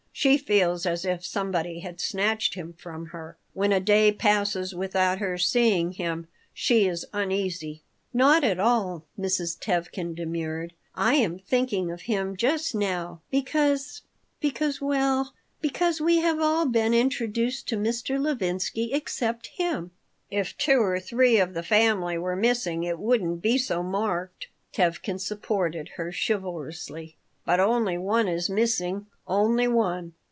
She feels as if somebody had snatched him from her. When a day passes without her seeing him she is uneasy." "Not at all," Mrs. Tevkin demurred. "I am thinking of him just now because because well, because we have all been introduced to Mr. Levinsky except him!" "If two or three of the family were missing it wouldn't be so marked," Tevkin supported her, chivalrously. "But only one is missing, only one.